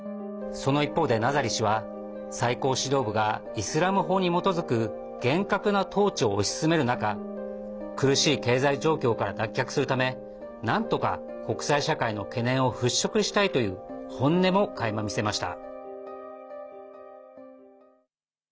その一方で、ナザリ氏は最高指導部がイスラム法に基づく厳格な統治を推し進める中苦しい経済状況から脱却するためなんとか、国際社会の懸念をふっしょくしたいという本音も垣間見せました。